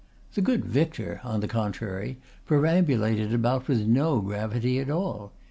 The good vicar, on the contrary, perambulated about with no gravity at all.